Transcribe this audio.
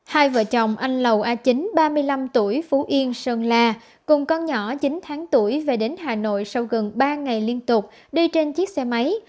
hai vợ chồng anh lầu a chín ba mươi năm tuổi phú yên sơn la cùng con nhỏ chín tháng tuổi về đến hà nội sau gần ba ngày liên tục đi trên chiếc xe máy